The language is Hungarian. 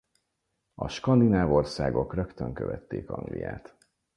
A skandináv országok rögtön követték Angliát.